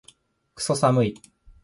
クソ寒い